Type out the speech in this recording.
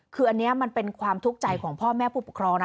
คืออันนี้มันเป็นความทุกข์ใจของพ่อแม่ผู้ปกครองนะ